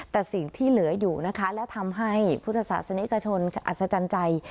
แต่สิ่งที่เหลืออยู่นะคะและทำให้พุทธศาสนิกชนอัศจรรย์ใจ